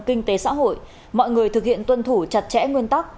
kinh tế xã hội mọi người thực hiện tuân thủ chặt chẽ nguyên tắc